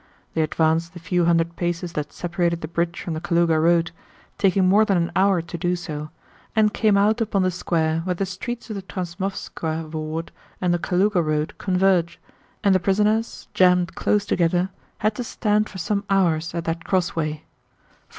They advanced the few hundred paces that separated the bridge from the Kalúga road, taking more than an hour to do so, and came out upon the square where the streets of the Transmoskvá ward and the Kalúga road converge, and the prisoners jammed close together had to stand for some hours at that crossway.